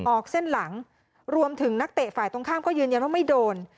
ออกเส้นหลังรวมถึงนักเตะฝ่ายตรงข้ามก็ยืนยันว่าไม่โดน